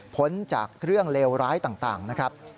พ้นจากเครื่องเลวร้ายต่างนะครับ